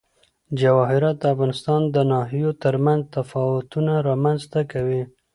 جواهرات د افغانستان د ناحیو ترمنځ تفاوتونه رامنځ ته کوي.